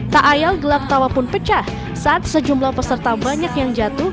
tak ayal gelak tawa pun pecah saat sejumlah peserta banyak yang jatuh